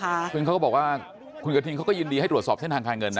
ซึ่งเขาก็บอกว่าคุณกระทิงเขาก็ยินดีให้ตรวจสอบเส้นทางการเงินนะ